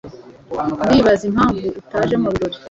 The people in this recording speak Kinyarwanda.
Ndibaza impamvu ataje mubirori.